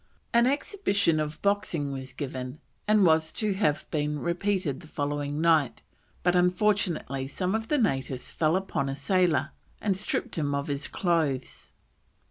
An exhibition of boxing was given, and was to have been repeated the following night, but unfortunately some of the natives fell upon a sailor and stripped him of his clothes.